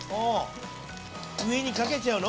上にかけちゃうの？